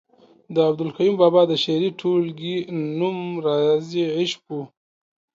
د عبدالقیوم بابا د شعري ټولګې نوم رازِ عشق ؤ